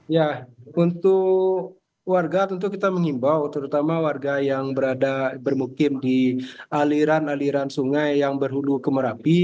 ya untuk warga tentu kita mengimbau terutama warga yang berada bermukim di aliran aliran sungai yang berhulu ke merapi